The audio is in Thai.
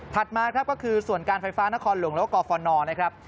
ถัดมาก็คือส่วนการไฟฟ้านครหลวงโลกกฟนนะครับ